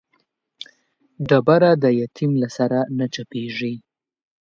ډبره د يتيم له سره نه چپېږي.